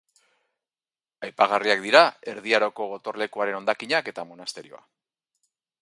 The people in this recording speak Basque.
Aipagarriak dira Erdi Aroko gotorlekuaren hondakinak eta monasterioa.